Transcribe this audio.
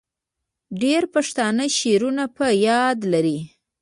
ډیری پښتانه شعرونه په یاد لري.